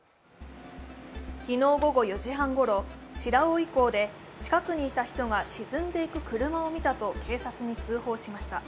昨日午後４時半ごろ、白老港で近くにいた人が沈んでいく車を見たと警察に通報しました。